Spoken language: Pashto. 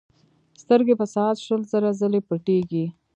سترګې په ساعت شل زره ځلې پټېږي.